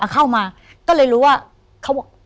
มาเข้ามาก็เลยรู้ว่า